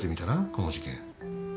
この事件。